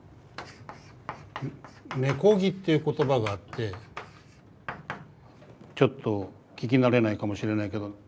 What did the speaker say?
「根こぎ」っていう言葉があってちょっと聞き慣れないかもしれないけど。